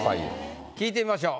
聞いてみましょう。